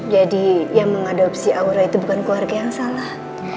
jadi yang mengadopsi aura itu bukan keluarga yang salah